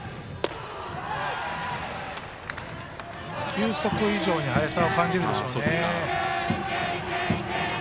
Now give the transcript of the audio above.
球速以上に速さを感じるでしょうね。